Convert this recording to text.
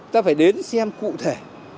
ta phải đến xem cụ thể